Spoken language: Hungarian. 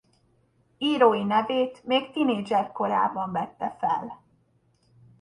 Írói nevét még tinédzser korában vette fel.